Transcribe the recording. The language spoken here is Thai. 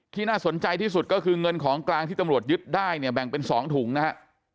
น่าสนใจที่สุดก็คือเงินของกลางที่ตำรวจยึดได้เนี่ยแบ่งเป็น๒ถุงนะฮะ